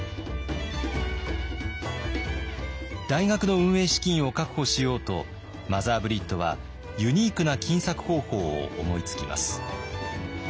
大学の運営資金を確保しようとマザー・ブリットはユニークな金策方法を思いつきます。